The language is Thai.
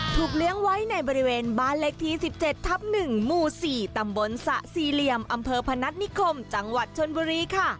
เลี้ยงไว้ในบริเวณบ้านเลขที่๑๗ทับ๑หมู่๔ตำบลสะสี่เหลี่ยมอำเภอพนัฐนิคมจังหวัดชนบุรีค่ะ